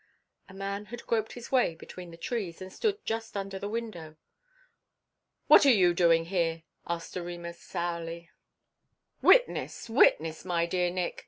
A man had groped his way between the trees and stood just under the window. "What are you doing here?" asked Doremus sourly. "Witness, witness, my dear Nick.